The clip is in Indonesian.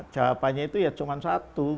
jawabannya itu ya cuma satu